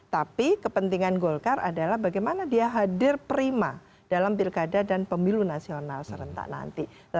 tapi kepentingan golkar adalah bagaimana dia hadir prima dalam pilkada dan pemilu nasional serentak nanti